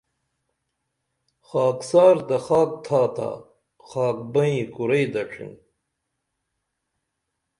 خاکسار تہ خاک تھا خاک بئیں کُرئی دڇھن